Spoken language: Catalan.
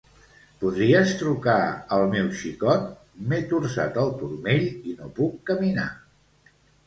Podries trucar al meu xicot; m'he torçat el turmell i no puc caminar.